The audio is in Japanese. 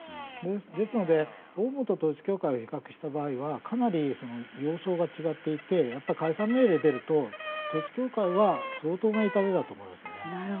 ですのでオウムと統一教会を比較した場合かなり様相が違っていて解散命令が出ると統一教会は相当な痛手だと思います。